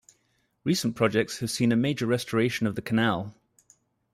Recent projects have seen a major restoration of the canal.